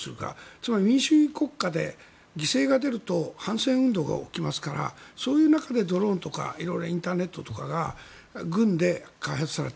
つまり民主主義国家で犠牲が出ると反戦運動が起きますからそういう中でドローンとか色々インターネットとかが軍で開発された。